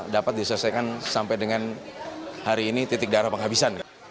dapat diselesaikan sampai dengan hari ini titik darah penghabisan